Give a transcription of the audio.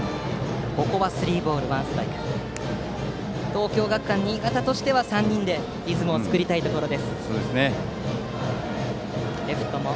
東京学館新潟としては３人で切ってリズムを作りたいところです。